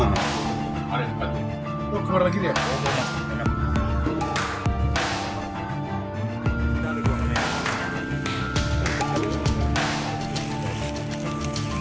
ya ke depan